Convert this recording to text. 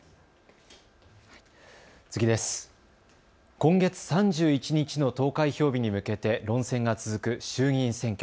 今月３１日の投開票日に向けて論戦が続く衆議院選挙。